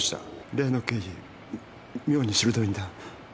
例の刑事妙に鋭いんだ。